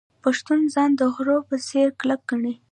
پښتون ځان د غره په څیر کلک ګڼي.